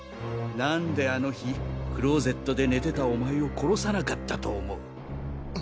何であの日クローゼットで寝てたお前を殺さなかったと思う？